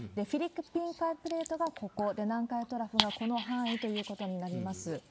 フィリピン海プレートがここで、南海トラフがこの範囲ということになります。